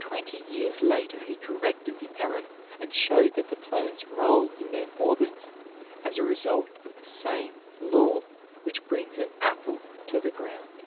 Twenty years later he corrected the error, and showed that the planets roll in their orbits as a result of the same law which brings an apple to the ground.